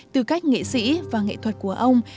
tư cách nghệ sĩ và nghệ thuật của ông